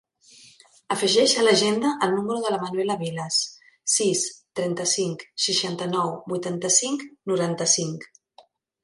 Afegeix a l'agenda el número de la Manuela Vilas: sis, trenta-cinc, seixanta-nou, vuitanta-cinc, noranta-cinc.